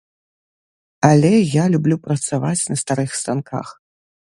Але я люблю працаваць на старых станках.